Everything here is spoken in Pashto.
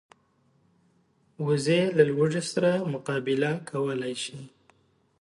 وزې له لوږې سره مقابله کولی شي